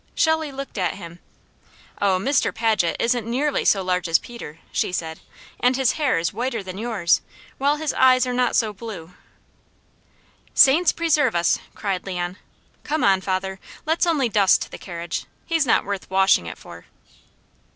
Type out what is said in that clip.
Shelley looked at him: "Oh Mr. Paget isn't nearly so large as Peter," she said, "and his hair is whiter than yours, while his eyes are not so blue." "Saints preserve us!" cried Leon. "Come on, father, let's only dust the carriage! He's not worth washing it for."